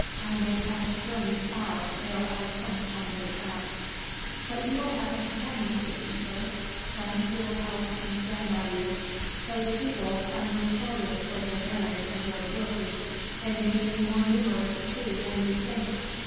I may have to journey far ere I come upon their track." "But you will have companions with you, sir? Friends who will help and stand by you. Those sea wolves are notorious for their daring and their cruelty ... they may be more numerous too than you think...."